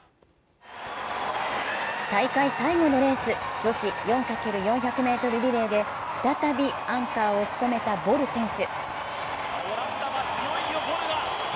大会最後のレース、女子４×４００ｍリレーで再びアンカーを務めたボル選手。